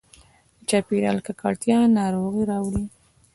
د چاپېریال ککړتیا ناروغي راوړي.